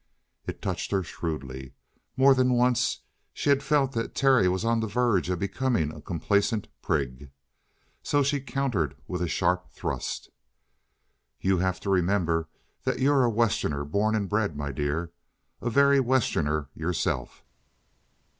It touched her shrewdly. More than once she had felt that Terry was on the verge of becoming a complacent prig. So she countered with a sharp thrust. "You have to remember that you're a Westerner born and bred, my dear. A very Westerner yourself!"